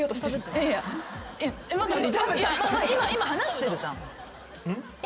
今話してるじゃん。